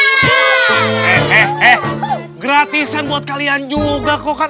eh eh eh gratisan buat kalian juga kok kan